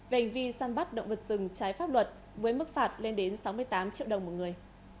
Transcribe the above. về hành vi săn bắt động vật rừng trái pháp luật với mức phạt lên đến sáu mươi tám triệu đồng một người